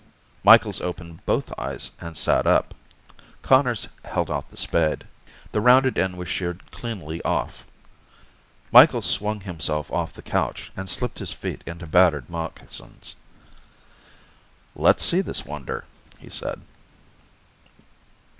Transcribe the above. Micheals opened both eyes and sat up. Conners held out the spade. The rounded end was sheared cleanly off. Micheals swung himself off the couch and slipped his feet into battered moccasins. "Let's see this wonder," he said.